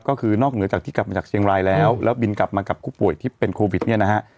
ก็คือนอกเหนือจากที่กลับมาจากเชียงรายแล้วแล้วบินกลับมากับผู้ป่วยที่เป็นโควิดเนี่ยนะฮะ